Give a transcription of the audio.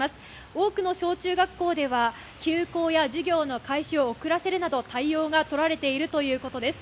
多くの小中学校では休校や授業の開始を遅らせるなど対応が取られているということです。